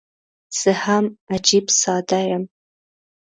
زه هم عجيب ساده یم.